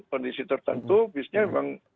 kondisi tertentu bisnya memang